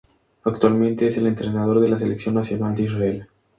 Actualmente es el entrenador de la selección nacional de Israel.